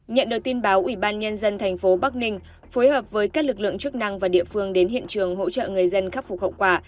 nhận được tin báo ủy ban nhân dân thành phố bắc ninh phối hợp với các lực lượng chức năng và địa phương đến hiện trường hỗ trợ người dân khắc phục hậu quả